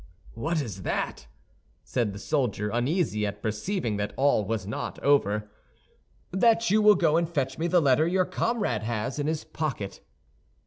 "What is that?" said the soldier, uneasy at perceiving that all was not over. "That you will go and fetch me the letter your comrade has in his pocket."